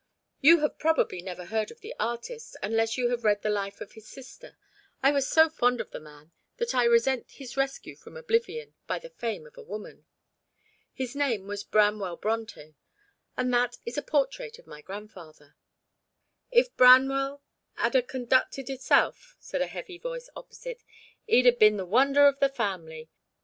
"You have probably never heard of the artist, unless you have read the life of his sister. I was so fond of the man that I resent his rescue from oblivion by the fame of a woman. His name was Branwell Brontë, and that is a portrait of my grandfather." "If Branwell 'ad a conducted hisself," said a heavy voice opposite, "'ee'd a been the wonder of the family.